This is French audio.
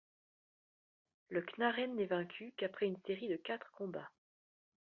Le Knaaren n'est vaincu qu'après une série de quatre combats.